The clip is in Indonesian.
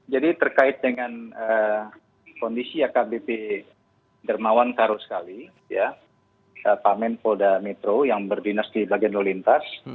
jadi terkait dengan kondisi akbp dermawan karus kali ya pamen polda metro yang berdinas di bagian lelintas